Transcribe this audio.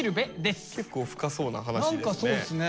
結構深そうな話ですね。